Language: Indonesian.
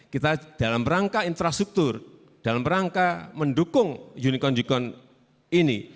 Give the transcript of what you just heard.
kita dalam rangka infrastruktur dalam rangka mendukung unicorn unicorn ini